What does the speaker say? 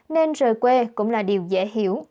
nên rời quê cũng là điều dễ hiểu